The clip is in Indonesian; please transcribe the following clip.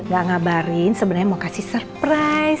gak ngabarin sebenarnya mau kasih surprise